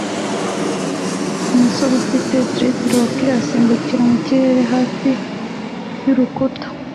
Umusore ufite dreadlock asimbukira mu kirere hafi y'urukuta